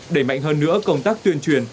đẩy mạnh hơn nữa công tác tuyên truyền